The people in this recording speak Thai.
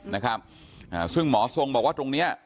นะครับอ่าซึ่งหมอทรงบอกว่าตรงเนี้ย